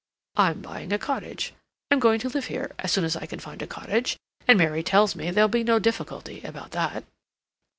"I'm buying a cottage. I'm going to live here—as soon as I can find a cottage, and Mary tells me there'll be no difficulty about that."